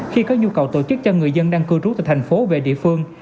khi có nhu cầu tổ chức cho người dân đang cư trú từ thành phố về địa phương